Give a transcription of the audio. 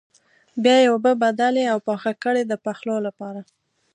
بیا یې اوبه بدلې او پاخه کړئ د پخولو لپاره.